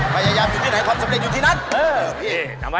พยายามอยู่ที่ไหนความสำเร็จอยู่ที่นั้น